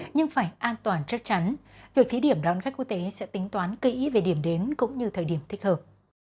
nhưng phải an toàn chắc chắn việc thí điểm đón khách quốc tế sẽ tính toán kỹ về điểm đến cũng như thời điểm thích hợp